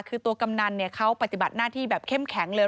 คือตัวกำนันเขาปฏิบัติหน้าที่แบบเข้มแข็งเลย